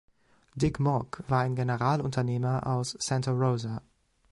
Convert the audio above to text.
Dick Maugg war ein Generalunternehmer aus Santa Rosa.